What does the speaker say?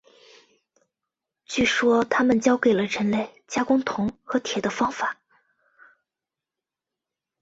据说他们教给了人类加工铜和铁的方法。